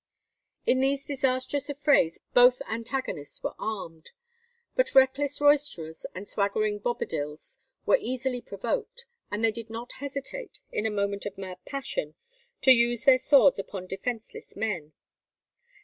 In these disastrous affrays both antagonists were armed. But reckless roisterers and swaggering bobadils were easily provoked, and they did not hesitate, in a moment of mad passion, to use their swords upon defenceless men.